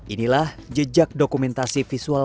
inilah jejak dokumentasi visual